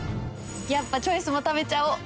やっぱチョイスも食べちゃお。